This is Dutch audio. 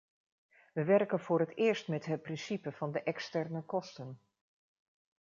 We werken voor het eerst met het principe van de externe kosten.